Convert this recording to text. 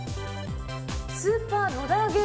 スーパー野田ゲー